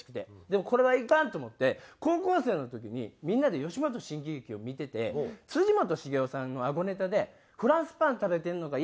でもこれはいかんと思って高校生の時にみんなで『吉本新喜劇』を見てて本茂雄さんのあごネタで「フランスパン食べてるのか？」